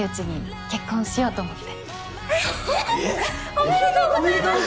おめでとうございます。